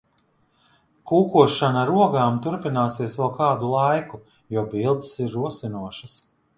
Kūkošana ar ogām turpināsies vēl kādu laiku, jo bildes ir rosinošas.